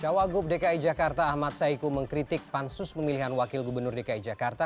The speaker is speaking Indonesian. cawagup dki jakarta ahmad saiku mengkritik pansus pemilihan wakil gubernur dki jakarta